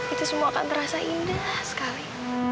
itu semua akan terasa indah sekali